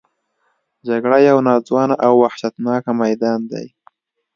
جګړه یو ناځوانه او وحشتناک میدان دی